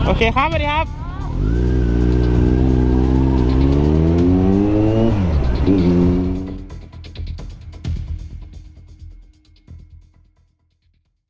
โอเคครับสวัสดีครับ